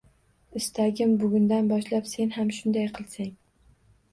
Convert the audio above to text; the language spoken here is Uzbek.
Istagim, bugundan boshlab sen ham shunday qilsang.